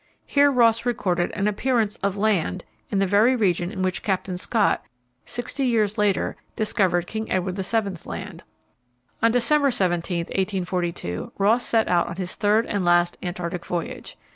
Here Ross recorded an "appearance of land" in the very region in which Captain Scott, sixty years later, discovered King Edward VII. Land. On December 17, 1842, Ross set out on his third and last Antarctic voyage.